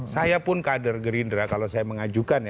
saya pun kader gerindra kalau saya mengajukan ya